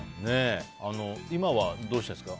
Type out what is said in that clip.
今はどうしてるんですか？